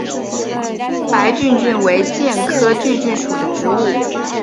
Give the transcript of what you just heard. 白梭梭为苋科梭梭属的植物。